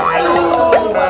aduh pak deh